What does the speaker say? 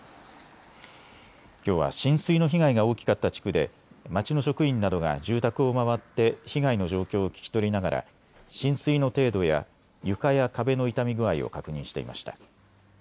きょうは浸水の被害が大きかった地区で町の職員などが住宅を回って被害の状況を聞き取りながら浸水の程度や床や壁の傷み具合を確認していました。